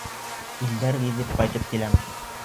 Илдәр гиҙеп ҡайтып киләм.